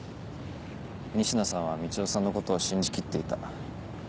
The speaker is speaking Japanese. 仁科さんはみちおさんのことを信じきっていた。